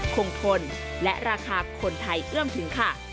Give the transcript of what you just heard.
คงทนและราคาคนไทยเอื้อมถึงค่ะ